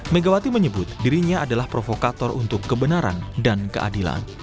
megawati menyebut dirinya adalah provokator untuk kebenaran dan keadilan